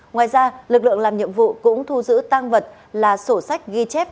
ngoài ra lực lượng làm nhiệm vụ cũng thu giữ tang vật là sổ sách ghi chép